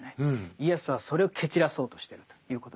イエスはそれを蹴散らそうとしてるということですね。